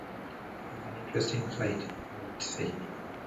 It's an interesting fight, White said.